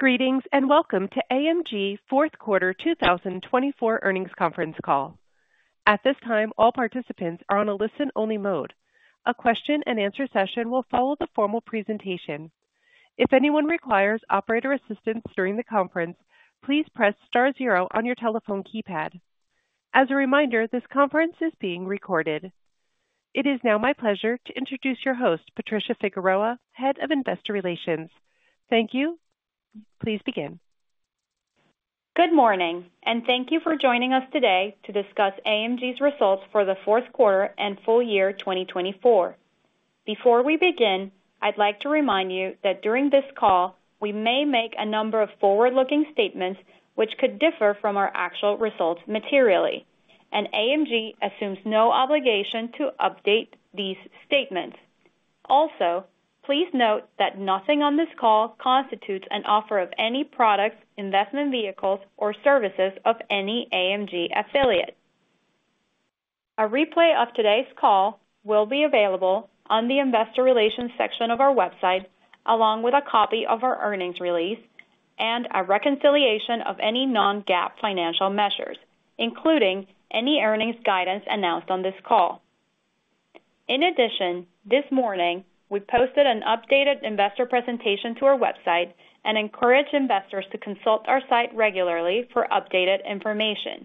Greetings and welcome to AMG Fourth Quarter 2024 earnings conference call. At this time, all participants are on a listen-only mode. A question-and-answer session will follow the formal presentation. If anyone requires operator assistance during the conference, please press star zero on your telephone keypad. As a reminder, this conference is being recorded. It is now my pleasure to introduce your host, Patricia Figueroa, Head of Investor Relations. Thank you. Please begin. Good morning, and thank you for joining us today to discuss AMG's results for the fourth quarter and full year 2024. Before we begin, I'd like to remind you that during this call, we may make a number of forward-looking statements which could differ from our actual results materially, and AMG assumes no obligation to update these statements. Also, please note that nothing on this call constitutes an offer of any products, investment vehicles, or services of any AMG affiliate. A replay of today's call will be available on the Investor Relations section of our website, along with a copy of our earnings release and a reconciliation of any non-GAAP financial measures, including any earnings guidance announced on this call. In addition, this morning, we posted an updated investor presentation to our website and encourage investors to consult our site regularly for updated information.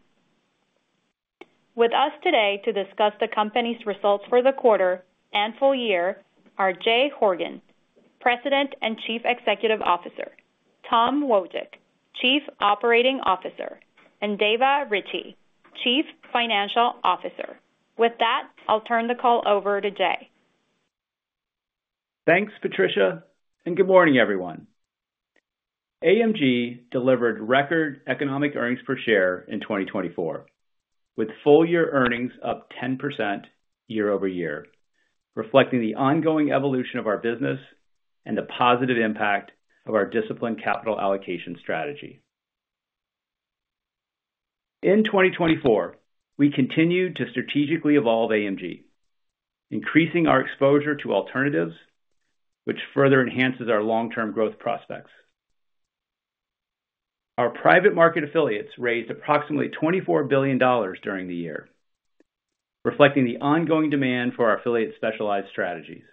With us today to discuss the company's results for the quarter and full year are Jay Horgen, President and Chief Executive Officer, Tom Wojcik, Chief Operating Officer, and Dava Ritchea, Chief Financial Officer. With that, I'll turn the call over to Jay. Thanks, Patricia, and good morning, everyone. AMG delivered record Economic Earnings per share in 2024, with full-year earnings up 10% year over year, reflecting the ongoing evolution of our business and the positive impact of our disciplined capital allocation strategy. In 2024, we continued to strategically evolve AMG, increasing our exposure to alternatives, which further enhances our long-term growth prospects. Our private market affiliates raised approximately $24 billion during the year, reflecting the ongoing demand for our affiliate-specialized strategies.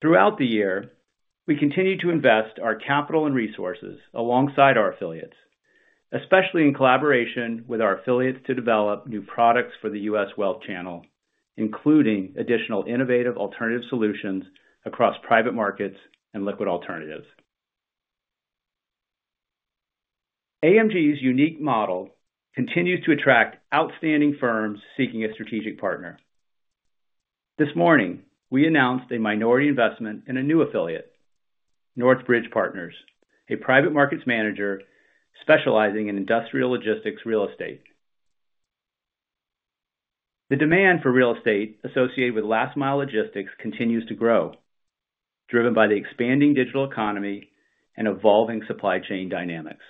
Throughout the year, we continued to invest our capital and resources alongside our affiliates, especially in collaboration with our affiliates to develop new products for the U.S. wealth channel, including additional innovative alternative solutions across private markets and liquid alternatives. AMG's unique model continues to attract outstanding firms seeking a strategic partner. This morning, we announced a minority investment in a new affiliate, Northbridge Partners, a private markets manager specializing in industrial logistics real estate. The demand for real estate associated with last-mile logistics continues to grow, driven by the expanding digital economy and evolving supply chain dynamics.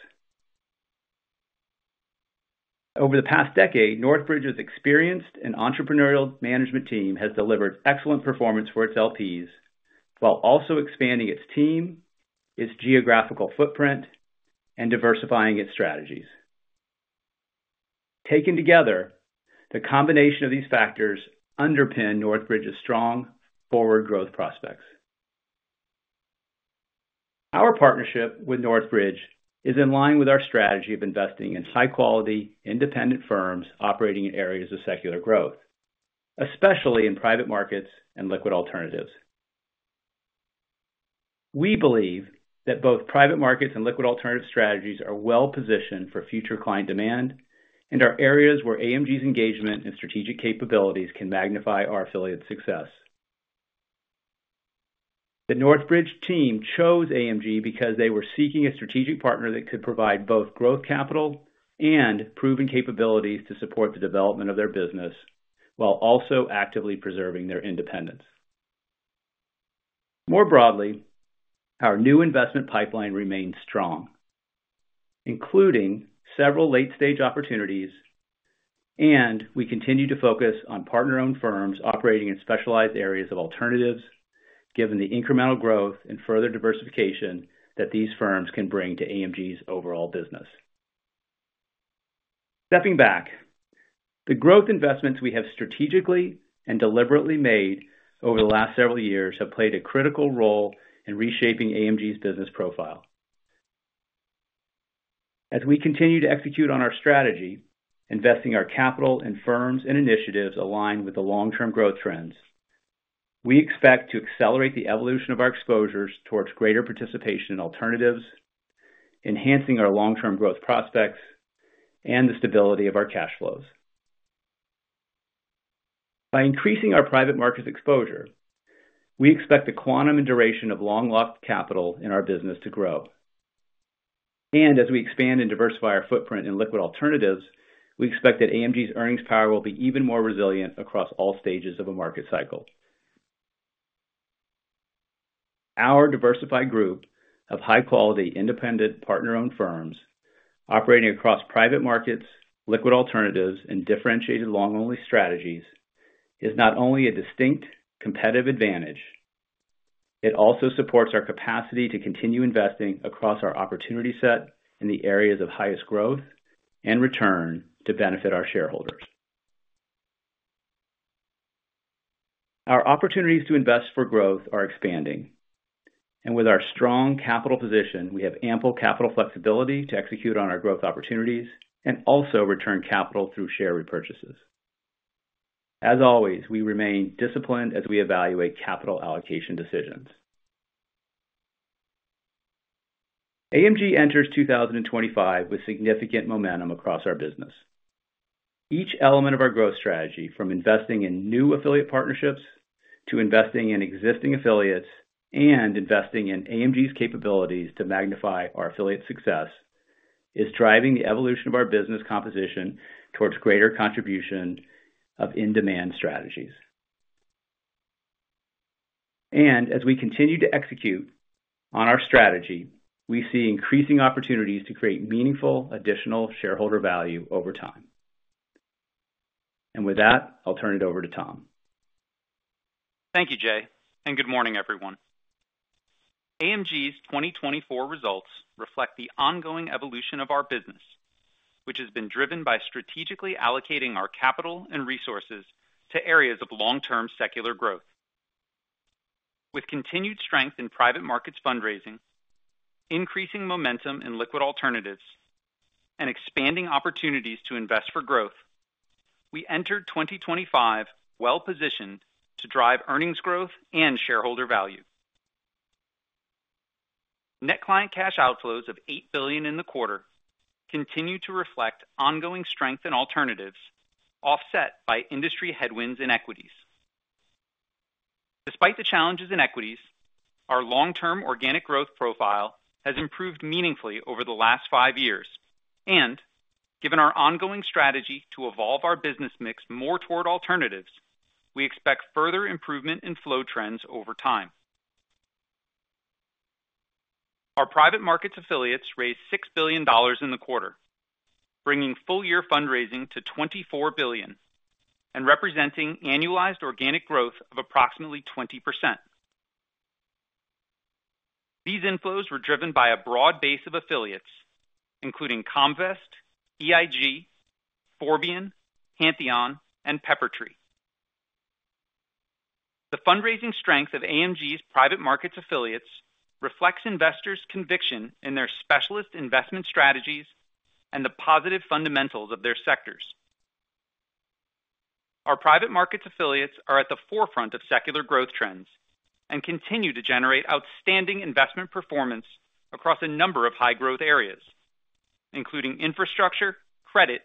Over the past decade, Northbridge's experienced and entrepreneurial management team has delivered excellent performance for its LPs while also expanding its team, its geographical footprint, and diversifying its strategies. Taken together, the combination of these factors underpins Northbridge's strong forward growth prospects. Our partnership with Northbridge is in line with our strategy of investing in high-quality, independent firms operating in areas of secular growth, especially in private markets and liquid alternatives. We believe that both private markets and liquid alternative strategies are well-positioned for future client demand and are areas where AMG's engagement and strategic capabilities can magnify our affiliate's success. The Northbridge team chose AMG because they were seeking a strategic partner that could provide both growth capital and proven capabilities to support the development of their business while also actively preserving their independence. More broadly, our new investment pipeline remains strong, including several late-stage opportunities, and we continue to focus on partner-owned firms operating in specialized areas of alternatives, given the incremental growth and further diversification that these firms can bring to AMG's overall business. Stepping back, the growth investments we have strategically and deliberately made over the last several years have played a critical role in reshaping AMG's business profile. As we continue to execute on our strategy, investing our capital in firms and initiatives aligned with the long-term growth trends, we expect to accelerate the evolution of our exposures towards greater participation in alternatives, enhancing our long-term growth prospects, and the stability of our cash flows. By increasing our private markets exposure, we expect the quantum and duration of long-locked capital in our business to grow. And as we expand and diversify our footprint in liquid alternatives, we expect that AMG's earnings power will be even more resilient across all stages of a market cycle. Our diversified group of high-quality, independent, partner-owned firms operating across private markets, liquid alternatives, and differentiated long-only strategies is not only a distinct competitive advantage. It also supports our capacity to continue investing across our opportunity set in the areas of highest growth and return to benefit our shareholders. Our opportunities to invest for growth are expanding, and with our strong capital position, we have ample capital flexibility to execute on our growth opportunities and also return capital through share repurchases. As always, we remain disciplined as we evaluate capital allocation decisions. AMG enters 2025 with significant momentum across our business. Each element of our growth strategy, from investing in new affiliate partnerships to investing in existing affiliates and investing in AMG's capabilities to magnify our affiliate success, is driving the evolution of our business composition towards greater contribution of in-demand strategies. And as we continue to execute on our strategy, we see increasing opportunities to create meaningful additional shareholder value over time. And with that, I'll turn it over to Tom. Thank you, Jay, and good morning, everyone. AMG's 2024 results reflect the ongoing evolution of our business, which has been driven by strategically allocating our capital and resources to areas of long-term secular growth. With continued strength in private markets fundraising, increasing momentum in liquid alternatives, and expanding opportunities to invest for growth, we entered 2025 well-positioned to drive earnings growth and shareholder value. Net client cash outflows of $8 billion in the quarter continue to reflect ongoing strength in alternatives offset by industry headwinds in equities. Despite the challenges in equities, our long-term organic growth profile has improved meaningfully over the last five years, and given our ongoing strategy to evolve our business mix more toward alternatives, we expect further improvement in flow trends over time. Our private markets affiliates raised $6 billion in the quarter, bringing full-year fundraising to $24 billion and representing annualized organic growth of approximately 20%. These inflows were driven by a broad base of affiliates, including Comvest, EIG, Forbion, Pantheon, and Peppertree. The fundraising strength of AMG's private markets affiliates reflects investors' conviction in their specialist investment strategies and the positive fundamentals of their sectors. Our private markets affiliates are at the forefront of secular growth trends and continue to generate outstanding investment performance across a number of high-growth areas, including infrastructure, credit,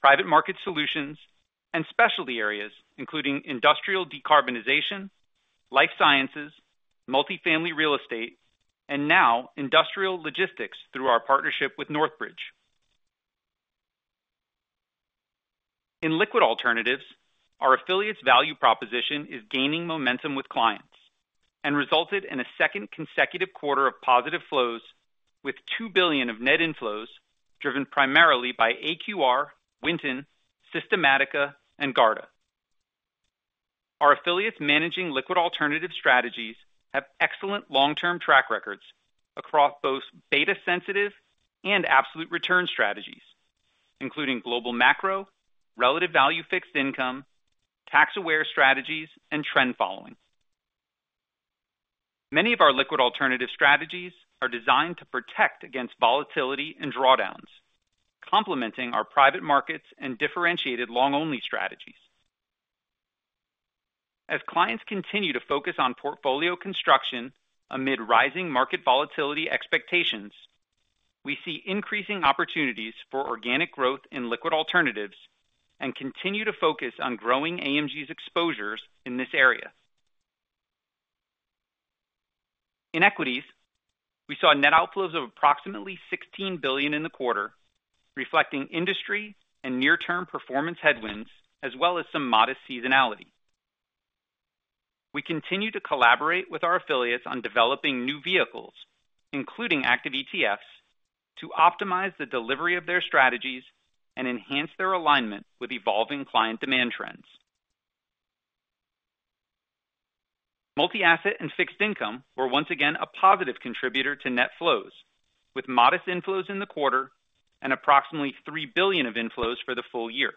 private market solutions, and specialty areas including industrial decarbonization, life sciences, multifamily real estate, and now industrial logistics through our partnership with Northbridge. In liquid alternatives, our affiliates' value proposition is gaining momentum with clients and resulted in a second consecutive quarter of positive flows with $2 billion of net inflows driven primarily by AQR, Winton, Systematica, and Garda. Our affiliates managing liquid alternative strategies have excellent long-term track records across both beta-sensitive and absolute return strategies, including global macro, relative value fixed income, tax-aware strategies, and trend following. Many of our liquid alternative strategies are designed to protect against volatility and drawdowns, complementing our private markets and differentiated long-only strategies. As clients continue to focus on portfolio construction amid rising market volatility expectations, we see increasing opportunities for organic growth in liquid alternatives and continue to focus on growing AMG's exposures in this area. In equities, we saw net outflows of approximately $16 billion in the quarter, reflecting industry and near-term performance headwinds as well as some modest seasonality. We continue to collaborate with our affiliates on developing new vehicles, including active ETFs, to optimize the delivery of their strategies and enhance their alignment with evolving client demand trends. Multi-asset and fixed income were once again a positive contributor to net flows, with modest inflows in the quarter and approximately $3 billion of inflows for the full year.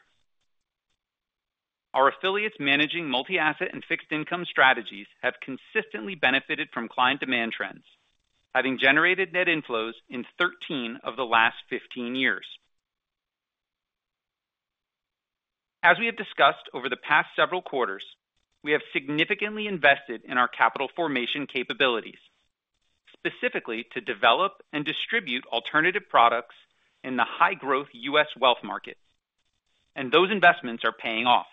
Our affiliates managing multi-asset and fixed income strategies have consistently benefited from client demand trends, having generated net inflows in 13 of the last 15 years. As we have discussed over the past several quarters, we have significantly invested in our capital formation capabilities, specifically to develop and distribute alternative products in the high-growth U.S. wealth markets, and those investments are paying off.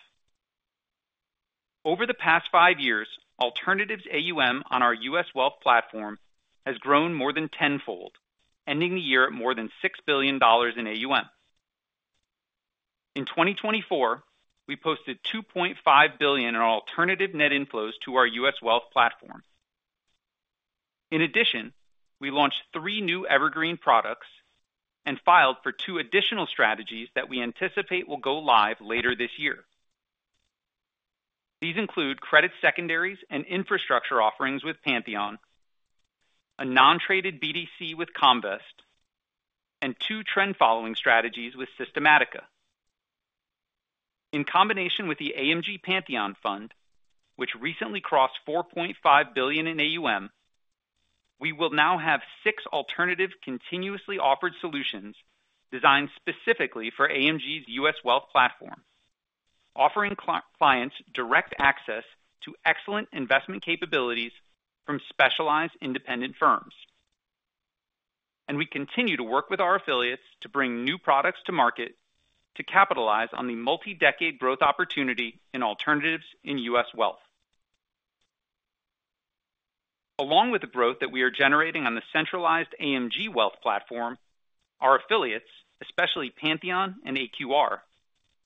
Over the past five years, alternatives AUM on our U.S. Wealth platform has grown more than tenfold, ending the year at more than $6 billion in AUM. In 2024, we posted $2.5 billion in alternative net inflows to our U.S. Wealth platform. In addition, we launched three new evergreen products and filed for two additional strategies that we anticipate will go live later this year. These include credit secondaries and infrastructure offerings with Pantheon, a non-traded BDC with Comvest, and two trend-following strategies with Systematica. In combination with the AMG Pantheon Fund, which recently crossed $4.5 billion in AUM, we will now have six alternative continuously offered solutions designed specifically for AMG's U.S. Wealth platform, offering clients direct access to excellent investment capabilities from specialized independent firms. And we continue to work with our affiliates to bring new products to market to capitalize on the multi-decade growth opportunity in alternatives in U.S. Wealth. Along with the growth that we are generating on the centralized AMG Wealth platform, our affiliates, especially Pantheon and AQR,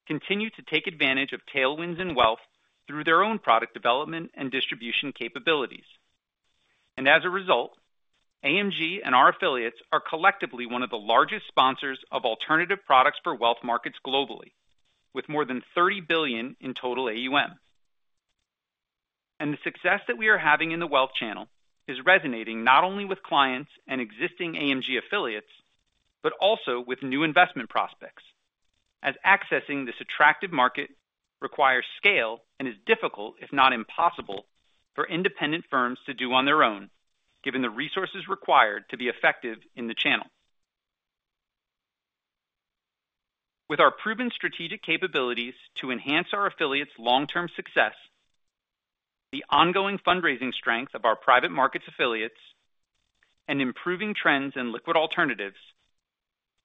continue to take advantage of tailwinds in wealth through their own product development and distribution capabilities. And as a result, AMG and our affiliates are collectively one of the largest sponsors of alternative products for wealth markets globally, with more than $30 billion in total AUM. And the success that we are having in the wealth channel is resonating not only with clients and existing AMG affiliates but also with new investment prospects, as accessing this attractive market requires scale and is difficult, if not impossible, for independent firms to do on their own, given the resources required to be effective in the channel. With our proven strategic capabilities to enhance our affiliates' long-term success, the ongoing fundraising strength of our private markets affiliates, and improving trends in liquid alternatives,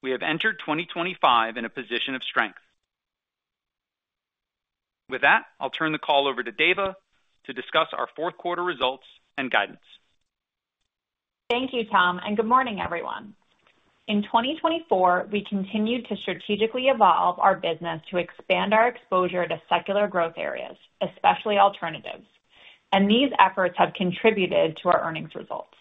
we have entered 2025 in a position of strength. With that, I'll turn the call over to Dava to discuss our fourth quarter results and guidance. Thank you, Tom, and good morning, everyone. In 2024, we continued to strategically evolve our business to expand our exposure to secular growth areas, especially alternatives, and these efforts have contributed to our earnings results.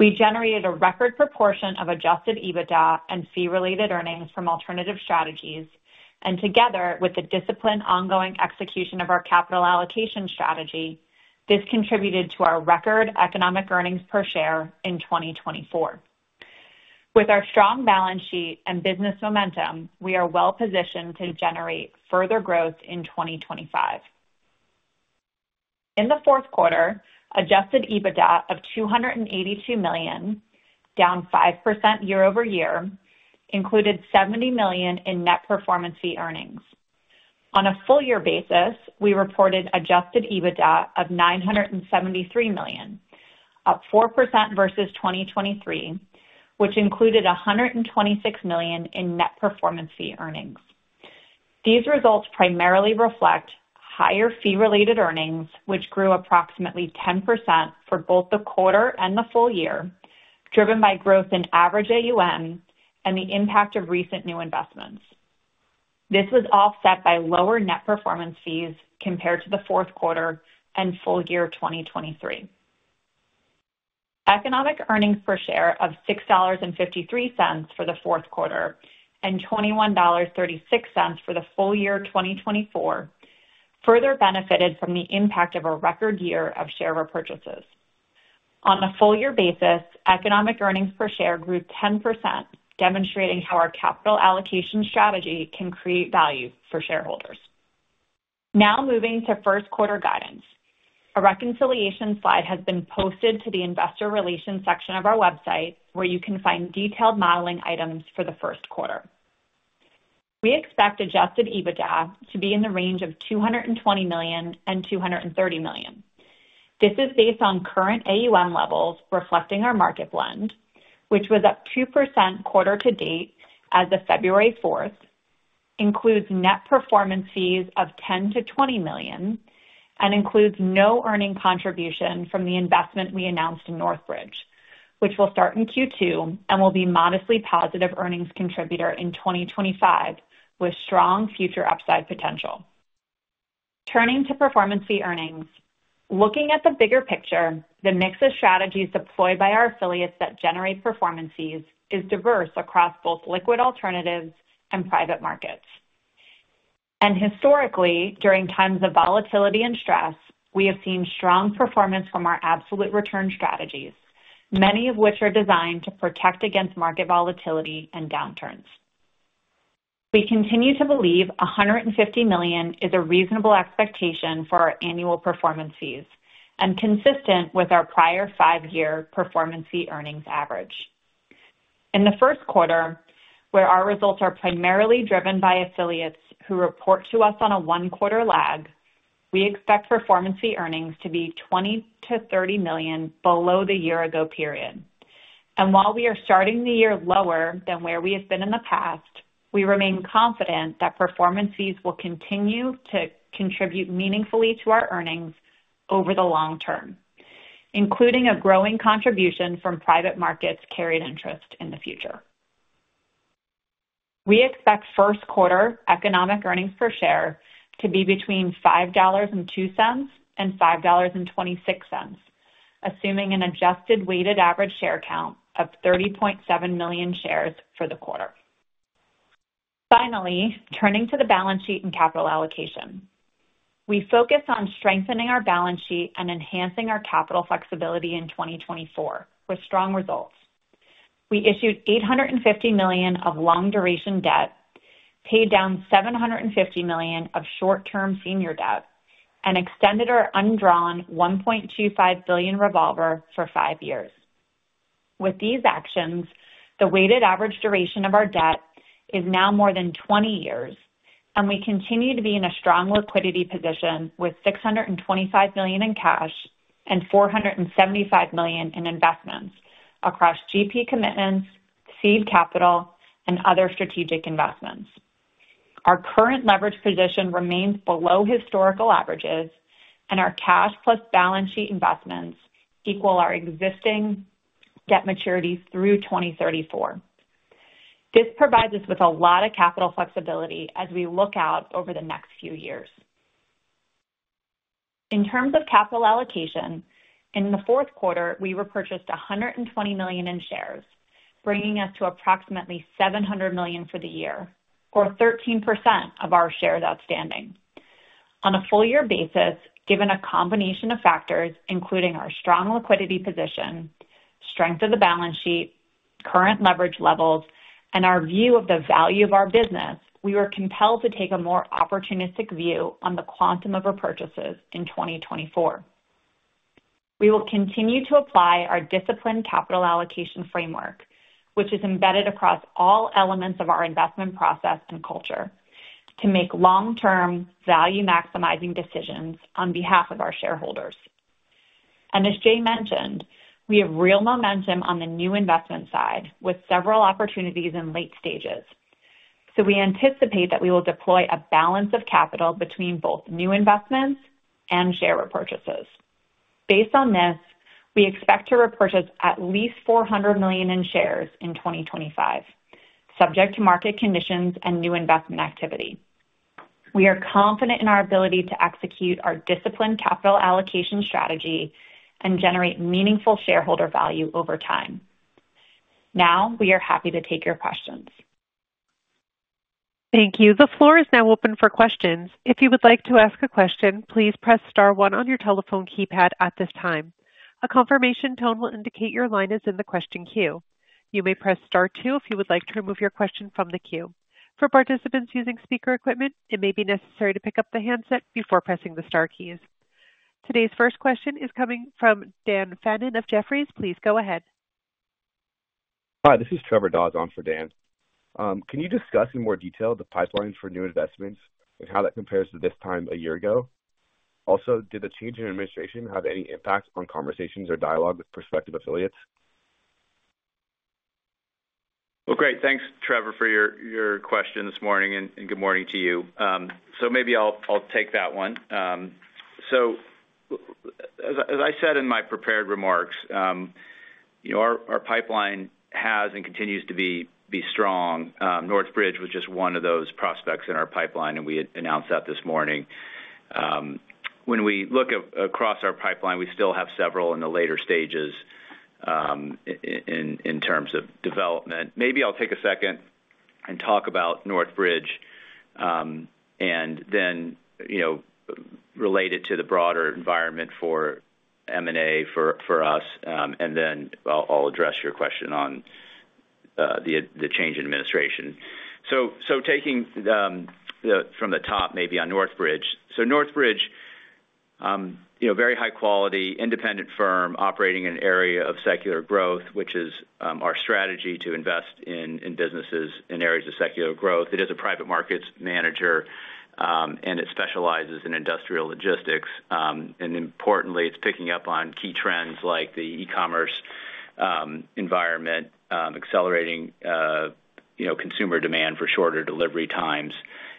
We generated a record proportion of Adjusted EBITDA and Fee-related Earnings from alternative strategies, and together with the disciplined ongoing execution of our capital allocation strategy, this contributed to our record economic earnings per share in 2024. With our strong balance sheet and business momentum, we are well-positioned to generate further growth in 2025. In the fourth quarter, Adjusted EBITDA of $282 million, down 5% year-over-year, included $70 million in Net Performance Fee Earnings. On a full-year basis, we reported Adjusted EBITDA of $973 million, up 4% versus 2023, which included $126 million in Net Performance Fee Earnings. These results primarily reflect higher Fee-related Earnings, which grew approximately 10% for both the quarter and the full year, driven by growth in average AUM and the impact of recent new investments. This was offset by lower net performance fees compared to the fourth quarter and full year 2023. Economic Earnings per share of $6.53 for the fourth quarter and $21.36 for the full year 2024 further benefited from the impact of a record year of share repurchases. On a full-year basis, Economic Earnings per share grew 10%, demonstrating how our capital allocation strategy can create value for shareholders. Now moving to first quarter guidance, a reconciliation slide has been posted to the investor relations section of our website where you can find detailed modeling items for the first quarter. We expect Adjusted EBITDA to be in the range of $220-$230 million. This is based on current AUM levels reflecting our market blend, which was up 2% quarter to date as of February 4, includes net performance fees of $10-$20 million, and includes no earnings contribution from the investment we announced in Northbridge, which will start in Q2 and will be a modestly positive earnings contributor in 2025 with strong future upside potential. Turning to performance fee earnings, looking at the bigger picture, the mix of strategies deployed by our affiliates that generate performance fees is diverse across both liquid alternatives and private markets, and historically, during times of volatility and stress, we have seen strong performance from our absolute return strategies, many of which are designed to protect against market volatility and downturns. We continue to believe $150 million is a reasonable expectation for our annual performance fees and consistent with our prior five-year performance fee earnings average. In the first quarter, where our results are primarily driven by affiliates who report to us on a one-quarter lag, we expect performance fee earnings to be $20-$30 million below the year-ago period. And while we are starting the year lower than where we have been in the past, we remain confident that performance fees will continue to contribute meaningfully to our earnings over the long term, including a growing contribution from private markets' carried interest in the future. We expect first quarter Economic Earnings per share to be between $5.02 and $5.26, assuming an adjusted weighted average share count of 30.7 million shares for the quarter. Finally, turning to the balance sheet and capital allocation, we focus on strengthening our balance sheet and enhancing our capital flexibility in 2024 with strong results. We issued $850 million of long-duration debt, paid down $750 million of short-term senior debt, and extended our undrawn $1.25 billion revolver for five years. With these actions, the weighted average duration of our debt is now more than 20 years, and we continue to be in a strong liquidity position with $625 million in cash and $475 million in investments across GP commitments, seed capital, and other strategic investments. Our current leverage position remains below historical averages, and our cash plus balance sheet investments equal our existing debt maturity through 2034. This provides us with a lot of capital flexibility as we look out over the next few years. In terms of capital allocation, in the fourth quarter, we repurchased $120 million in shares, bringing us to approximately $700 million for the year, or 13% of our shares outstanding. On a full-year basis, given a combination of factors including our strong liquidity position, strength of the balance sheet, current leverage levels, and our view of the value of our business, we were compelled to take a more opportunistic view on the quantum of repurchases in 2024. We will continue to apply our disciplined capital allocation framework, which is embedded across all elements of our investment process and culture, to make long-term value-maximizing decisions on behalf of our shareholders. And as Jay mentioned, we have real momentum on the new investment side with several opportunities in late stages, so we anticipate that we will deploy a balance of capital between both new investments and share repurchases. Based on this, we expect to repurchase at least $400 million in shares in 2025, subject to market conditions and new investment activity. We are confident in our ability to execute our disciplined capital allocation strategy and generate meaningful shareholder value over time. Now, we are happy to take your questions. Thank you. The floor is now open for questions. If you would like to ask a question, please press star one on your telephone keypad at this time. A confirmation tone will indicate your line is in the question queue. You may press star two if you would like to remove your question from the queue. For participants using speaker equipment, it may be necessary to pick up the handset before pressing the star keys. Today's first question is coming from Dan Fannon of Jefferies. Please go ahead. Hi, this is Trevor Williams on for Dan. Can you discuss in more detail the pipeline for new investments and how that compares to this time a year ago? Also, did the change in administration have any impact on conversations or dialogue with prospective affiliates? Great. Thanks, Trevor, for your question this morning and good morning to you. Maybe I'll take that one. As I said in my prepared remarks, our pipeline has and continues to be strong. Northbridge was just one of those prospects in our pipeline, and we announced that this morning. When we look across our pipeline, we still have several in the later stages in terms of development. Maybe I'll take a second and talk about Northbridge and then relate it to the broader environment for M&A for us, and then I'll address your question on the change in administration. Taking from the top, maybe on Northbridge, so Northbridge, very high-quality independent firm operating in an area of secular growth, which is our strategy to invest in businesses in areas of secular growth. It is a private markets manager, and it specializes in industrial logistics. And importantly, it's picking up on key trends like the e-commerce environment, accelerating consumer demand for shorter delivery times,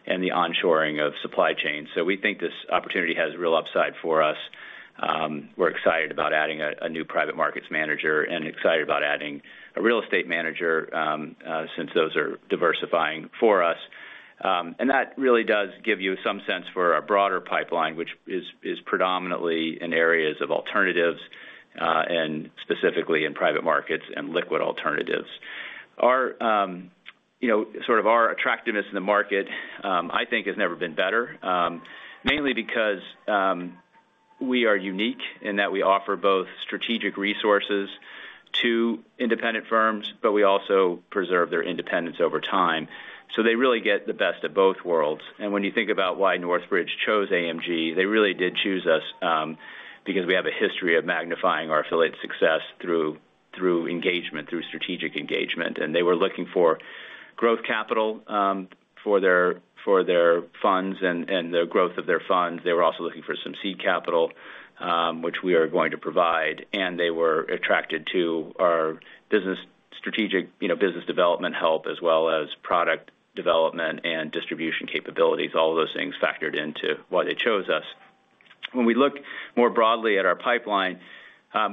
and the onshoring of supply chains. So we think this opportunity has real upside for us. We're excited about adding a new private markets manager and excited about adding a real estate manager since those are diversifying for us. And that really does give you some sense for our broader pipeline, which is predominantly in areas of alternatives and specifically in private markets and liquid alternatives. Sort of our attractiveness in the market, I think, has never been better, mainly because we are unique in that we offer both strategic resources to independent firms, but we also preserve their independence over time. So they really get the best of both worlds. When you think about why Northbridge chose AMG, they really did choose us because we have a history of magnifying our affiliate success through engagement, through strategic engagement. They were looking for growth capital for their funds and the growth of their funds. They were also looking for some seed capital, which we are going to provide. They were attracted to our strategic business development help as well as product development and distribution capabilities. All of those things factored into why they chose us. When we look more broadly at our pipeline,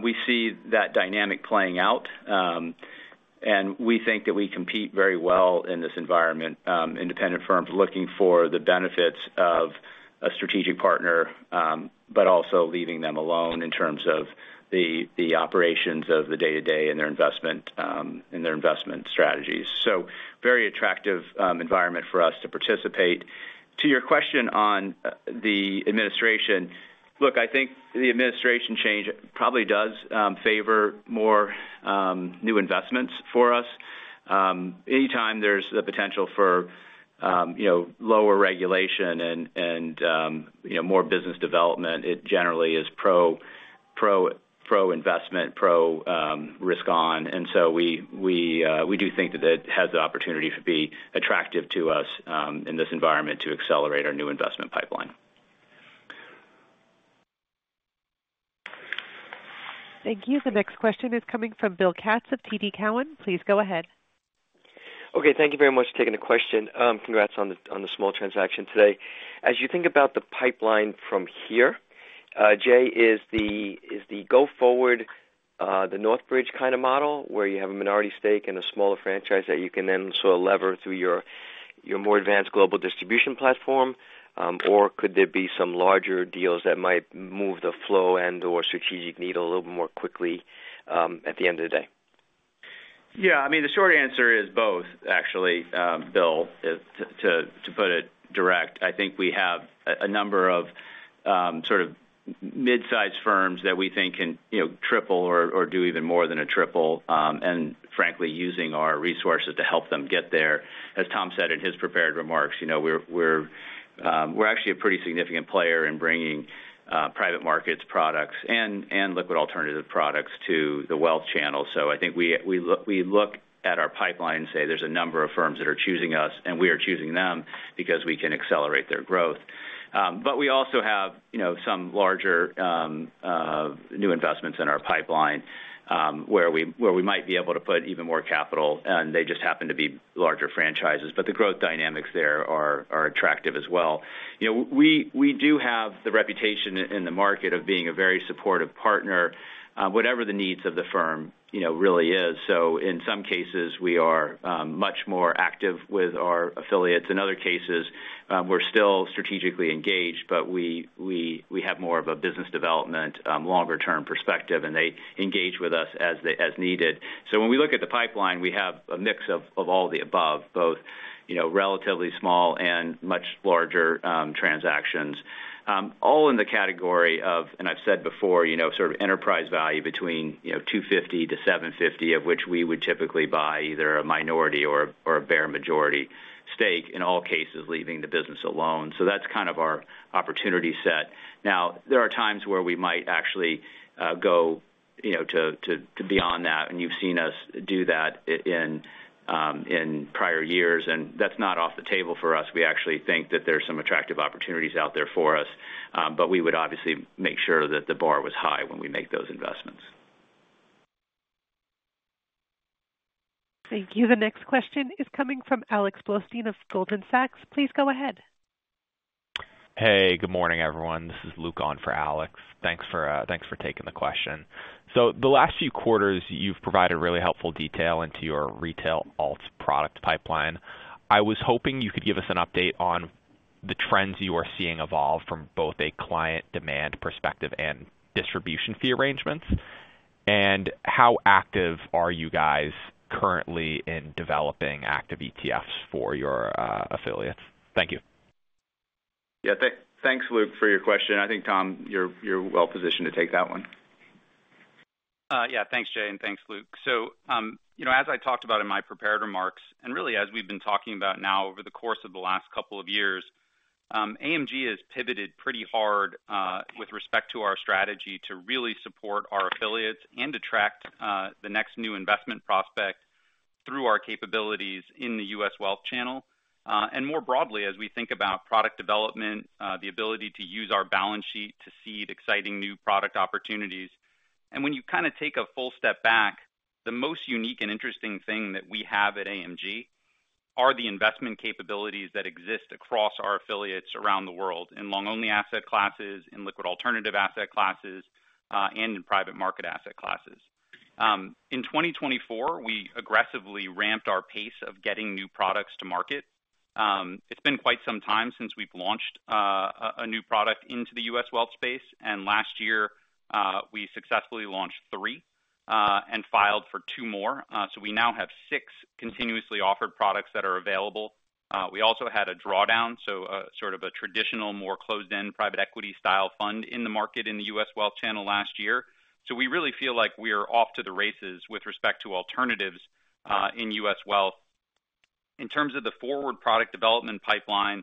we see that dynamic playing out, and we think that we compete very well in this environment, independent firms looking for the benefits of a strategic partner, but also leaving them alone in terms of the operations of the day-to-day and their investment strategies. Very attractive environment for us to participate. To your question on the administration, look, I think the administration change probably does favor more new investments for us. Anytime there's the potential for lower regulation and more business development, it generally is pro-investment, pro-risk-on, and so we do think that it has the opportunity to be attractive to us in this environment to accelerate our new investment pipeline. Thank you. The next question is coming from Bill Katz of TD Cowen. Please go ahead. Okay. Thank you very much for taking the question. Congrats on the small transaction today. As you think about the pipeline from here, Jay, is the go-forward, the Northbridge kind of model where you have a minority stake and a smaller franchise that you can then sort of lever through your more advanced global distribution platform, or could there be some larger deals that might move the flow and/or strategic needle a little bit more quickly at the end of the day? Yeah. I mean, the short answer is both, actually, Bill, to put it directly. I think we have a number of sort of mid-sized firms that we think can triple or do even more than a triple and, frankly, using our resources to help them get there. As Tom said in his prepared remarks, we're actually a pretty significant player in bringing private markets' products and liquid alternative products to the wealth channel. So I think we look at our pipeline and say there's a number of firms that are choosing us, and we are choosing them because we can accelerate their growth. But we also have some larger new investments in our pipeline where we might be able to put even more capital, and they just happen to be larger franchises. But the growth dynamics there are attractive as well. We do have the reputation in the market of being a very supportive partner, whatever the needs of the firm really is. So in some cases, we are much more active with our affiliates. In other cases, we're still strategically engaged, but we have more of a business development longer-term perspective, and they engage with us as needed. So when we look at the pipeline, we have a mix of all the above, both relatively small and much larger transactions, all in the category of, and I've said before, sort of enterprise value between $250-$750, of which we would typically buy either a minority or a bare majority stake, in all cases leaving the business alone. So that's kind of our opportunity set. Now, there are times where we might actually go beyond that, and you've seen us do that in prior years, and that's not off the table for us. We actually think that there are some attractive opportunities out there for us, but we would obviously make sure that the bar was high when we make those investments. Thank you. The next question is coming from Alex Blostein of Goldman Sachs. Please go ahead. Hey, good morning, everyone. This is Luke on for Alex. Thanks for taking the question. So the last few quarters, you've provided really helpful detail into your retail alts product pipeline. I was hoping you could give us an update on the trends you are seeing evolve from both a client demand perspective and distribution fee arrangements. And how active are you guys currently in developing active ETFs for your affiliates? Thank you. Yeah. Thanks, Luke, for your question. I think, Tom, you're well-positioned to take that one. Yeah. Thanks, Jay, and thanks, Luke. So as I talked about in my prepared remarks, and really as we've been talking about now over the course of the last couple of years, AMG has pivoted pretty hard with respect to our strategy to really support our affiliates and attract the next new investment prospect through our capabilities in the U.S. wealth channel. And more broadly, as we think about product development, the ability to use our balance sheet to seed exciting new product opportunities. And when you kind of take a full step back, the most unique and interesting thing that we have at AMG are the investment capabilities that exist across our affiliates around the world in long-only asset classes, in liquid alternative asset classes, and in private market asset classes. In 2024, we aggressively ramped our pace of getting new products to market. It's been quite some time since we've launched a new product into the U.S. wealth space, and last year, we successfully launched three and filed for two more, so we now have six continuously offered products that are available. We also had a drawdown, so sort of a traditional, more closed-end private equity style fund in the market in the U.S. wealth channel last year, so we really feel like we are off to the races with respect to alternatives in U.S. wealth. In terms of the forward product development pipeline,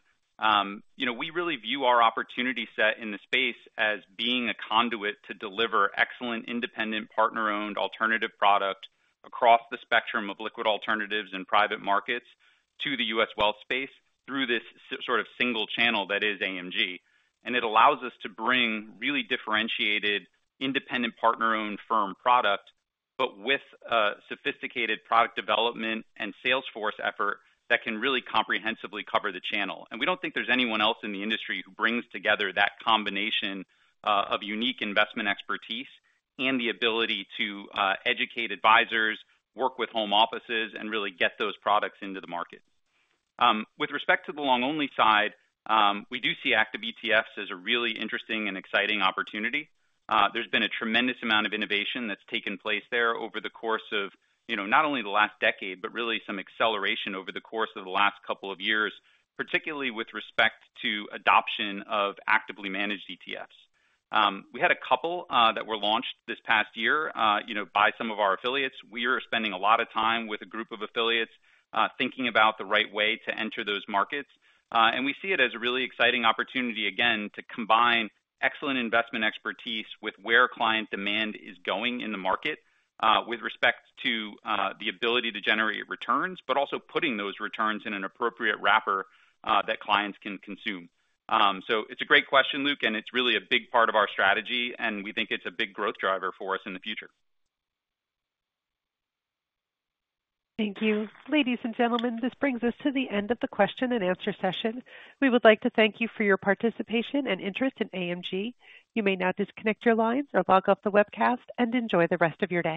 we really view our opportunity set in the space as being a conduit to deliver excellent independent partner-owned alternative product across the spectrum of liquid alternatives and private markets to the U.S. wealth space through this sort of single channel that is AMG. And it allows us to bring really differentiated independent partner-owned firm product, but with a sophisticated product development and sales force effort that can really comprehensively cover the channel. And we don't think there's anyone else in the industry who brings together that combination of unique investment expertise and the ability to educate advisors, work with home offices, and really get those products into the market. With respect to the long-only side, we do see active ETFs as a really interesting and exciting opportunity. There's been a tremendous amount of innovation that's taken place there over the course of not only the last decade, but really some acceleration over the course of the last couple of years, particularly with respect to adoption of actively managed ETFs. We had a couple that were launched this past year by some of our affiliates. We are spending a lot of time with a group of affiliates thinking about the right way to enter those markets, and we see it as a really exciting opportunity again to combine excellent investment expertise with where client demand is going in the market with respect to the ability to generate returns, but also putting those returns in an appropriate wrapper that clients can consume, so it's a great question, Luke, and it's really a big part of our strategy, and we think it's a big growth driver for us in the future. Thank you. Ladies and gentlemen, this brings us to the end of the question and answer session. We would like to thank you for your participation and interest in AMG. You may now disconnect your lines or log off the webcast and enjoy the rest of your day.